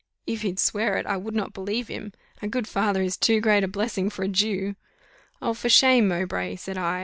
If he'd swear it, I would not believe him a good father is too great a blessing for a Jew." "Oh! for shame, Mowbray!" said I.